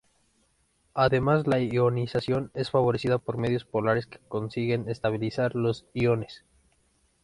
Además la ionización es favorecida por medios polares que consiguen estabilizar los iones.